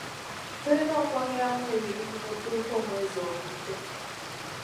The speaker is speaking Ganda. Tulina okwongeramu ebintu mu dduuka omwezi ogujja.